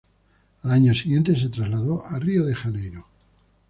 Al año siguiente se trasladó a Río de Janeiro.